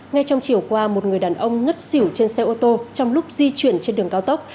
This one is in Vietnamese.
ngay trong chiều qua một người đàn ông ngất xỉu trên xe ô tô trong lúc di chuyển trên đường cao tốc